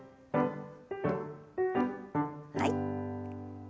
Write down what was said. はい。